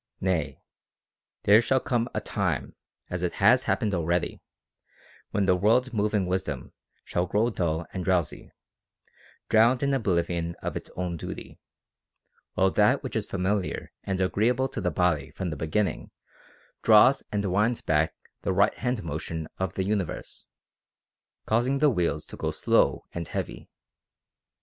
Nay, there shall come a time, as it has hap pened already, when the world's moving wisdom shall grow dull and drowsy, drowned in oblivion of its own duty ; while that which is familiar and agreeable to the body from the beginning draws and winds back the right hand motion of the universe, causing the wheels to go slow and heavy.